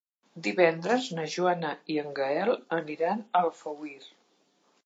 Divendres na Joana i en Gaël aniran a Alfauir.